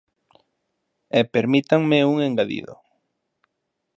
E permítanme un engadido.